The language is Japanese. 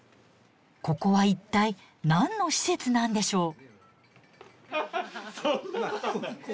ここは一体何の施設なんでしょう。